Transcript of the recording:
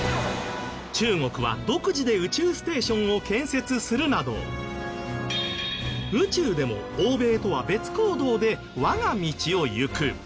中国は独自で宇宙ステーションを建設するなど宇宙でも欧米とは別行動で我が道を行く。